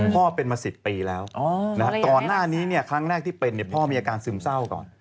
พ่อเป็นมา๑๐ปีแล้วก่อนหน้านี้ครั้งแรกที่เป็นพ่อมีอาการซึมเศร้าก่อน